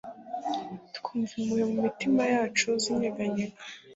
Twumva impuhwe mumitima yacu zinyeganyega